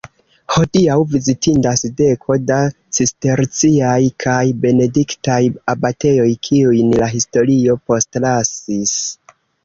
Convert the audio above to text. Hodiaŭ vizitindas deko da cisterciaj kaj benediktaj abatejoj, kiujn la historio postlasis.